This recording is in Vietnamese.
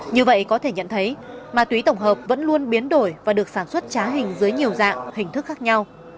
như vậy có thể nhận thấy ma túy tổng hợp vẫn luôn biến đổi và được sản xuất trá hình dưới nhiều dạng hình thức khác nhau